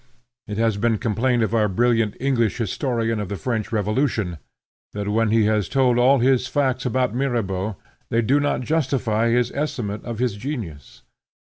It has been complained of our brilliant English historian of the French Revolution that when he has told all his facts about Mirabeau, they do not justify his estimate of his genius.